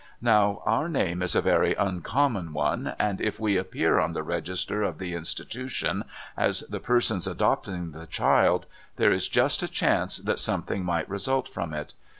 Now, our name is a very uncommon one ; and if we appear on the Register of the Institution as the persons adopting the child, there is just a chance that something might result from it.